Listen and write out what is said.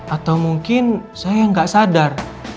atau mungkin saya nggak sadar